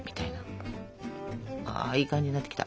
ああいい感じになってきた。